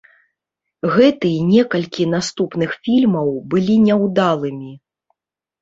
Гэты і некалькі наступных фільмаў былі няўдалымі.